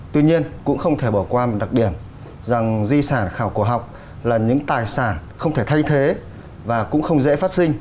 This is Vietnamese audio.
tuy nhiên cũng không thể bỏ qua một đặc điểm rằng di sản khảo cổ học là những tài sản không thể thay thế và cũng không dễ phát sinh